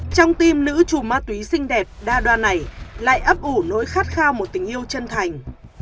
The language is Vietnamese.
trong tim nữ chủ ma túy xinh đẹp đa đoàn này lại ấp ủ nỗi khát khao một tình yêu chân thành